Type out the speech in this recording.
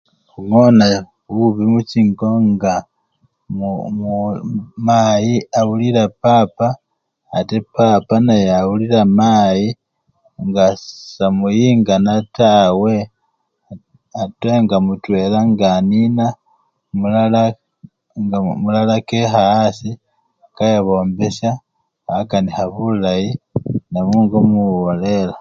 Khungonayo bubii muchingo nga mu! mu! mayi awulila papa ate papa naye awulila mayi nga semuyingana tawe ate nga mutwela nga anina mulalae! mulala kekha asii kebombesya akanikha bulayi nemungo muwolela.